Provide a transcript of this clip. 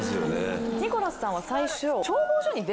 ニコラスさんは最初。